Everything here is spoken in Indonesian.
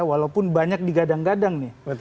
walaupun banyak digadang gadang nih